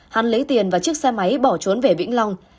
hắn lấy tiền và chiếc xe máy bỏ trốn về vĩnh long